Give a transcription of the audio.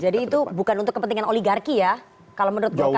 jadi itu bukan untuk kepentingan oligarki ya kalau menurut golkar ya